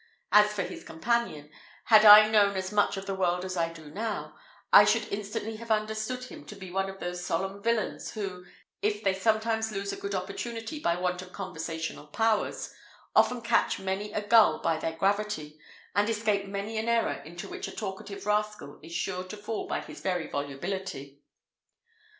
As for his companion, had I known as much of the world as I do now, I should instantly have understood him to be one of those solemn villains, who, if they sometimes lose a good opportunity by want of conversational powers, often catch many a gull by their gravity, and escape many an error into which a talkative rascal is sure to fall by his very volubility.